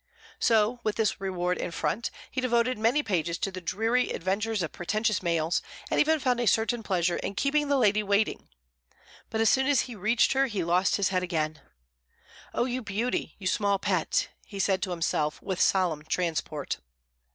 So, with this reward in front, he devoted many pages to the dreary adventures of pretentious males, and even found a certain pleasure in keeping the lady waiting. But as soon as he reached her he lost his head again. "Oh, you beauty! oh, you small pet!" he said to himself, with solemn transport.